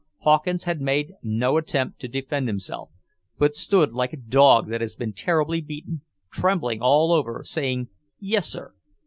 Hawkins had made no attempt to defend himself, but stood like a dog that has been terribly beaten, trembling all over, saying "Yes, sir.